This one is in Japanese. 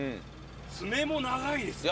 爪も長いですね